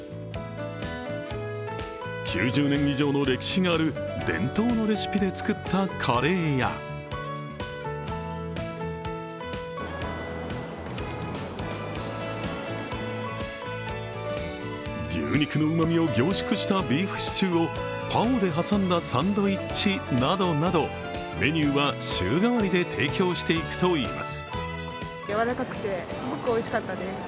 ９０年以上の歴史がある伝統のレシピで作ったカレーや牛肉のうまみを凝縮したビーフシチューをパオで挟んだサンドイッチなどなどメニューは週替わりで提供していくといいます。